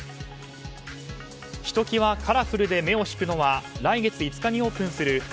ひときわカラフルで目を引くのは来月５日にオープンする